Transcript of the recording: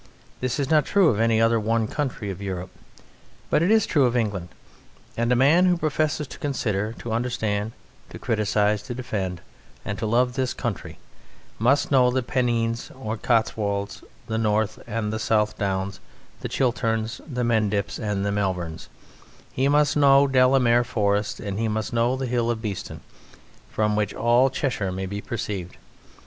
This is not true of any other one country of Europe, but it is true of England, and a man who professes to consider, to understand, to criticize, to defend, and to love this country, must know the Pennines, the Cotswolds, the North and the South Downs, the Chilterns, the Mendips, and the Malverns; he must know Delamere Forest, and he must know the Hill of Beeston, from which all Cheshire may be perceived.